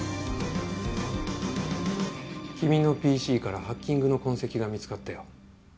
君のＰＣからハッキングの痕跡が見つかったよ。